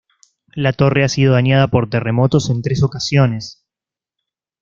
La torre ha sido dañada por terremotos en tres ocasiones.